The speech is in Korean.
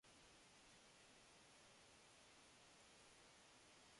궁하면 통한다